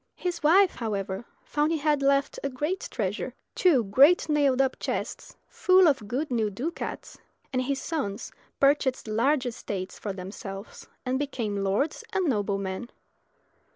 His wife, however, found he had left a great treasure two great nailed up chests full of good new ducats; and his sons purchased large estates for themselves, and became lords and noblemen.